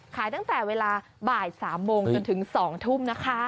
ตั้งแต่เวลาบ่าย๓โมงจนถึง๒ทุ่มนะคะ